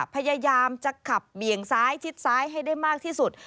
พยายามจะขับเบี่ยงซ้ายชิดซ้ายให้ได้มากที่สุด